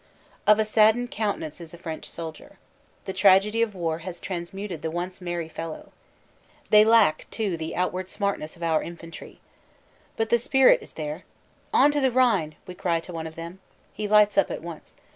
Of a saddened countenance is the French soldier. The tragedy of war has transmuted the once merry fellow. They lack too the outward smartness of our infantry. But the spirit is there. "On to the Rhine!" we cry to one of them. He lights up at once.